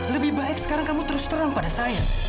lebih baik sekarang kamu terus terang pada saya